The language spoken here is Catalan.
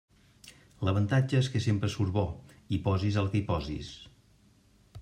L'avantatge és que sempre surt bo, hi posis el que hi posis.